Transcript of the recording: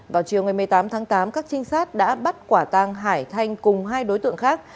vào chiều ngày một mươi tám tháng tám các trinh sát đã bắt quả tang hải thanh cùng hai đối tượng khác